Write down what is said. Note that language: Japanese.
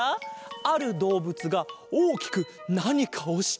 あるどうぶつがおおきくなにかをしているぞ！